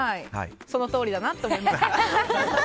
そのとおりだなと思いました。